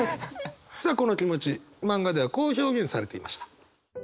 さあこの気持ち漫画ではこう表現されていました。